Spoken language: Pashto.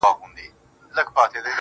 اوس هره شپه خوب کي بلا وينمه~